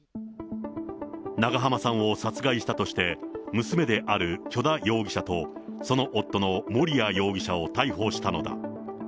長濱さんを殺害したとして、娘である許田容疑者と、その夫の盛哉容疑者を逮捕したのだ。